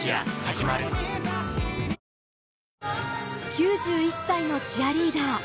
９１歳のチアリーダー